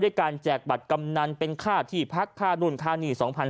การแจกบัตรกำนันเป็นค่าที่พักค่านู่นค่านี่